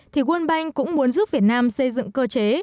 thì world bank cũng muốn giúp việt nam xây dựng cơ chế